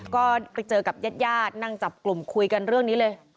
ก็ไปเจอกับญาติญาตินั่งจับกลุ่มคุยกันเรื่องนี้เลย